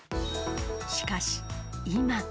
しかし、今。